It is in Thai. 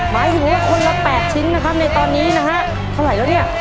หมายถึงว่าคนละ๘ชิ้นนะครับในตอนนี้นะฮะเท่าไหร่แล้วเนี่ย